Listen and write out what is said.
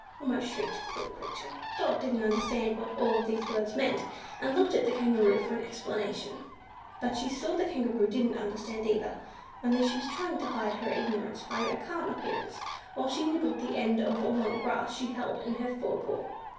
almost shrieked the little creature. Dot didn't understand what all these words meant, and looked at the Kangaroo for an explanation; but she saw that the Kangaroo didn't understand either, only she was trying to hide her ignorance by a calm appearance, while she nibbled the end of a long grass she held in her fore paw.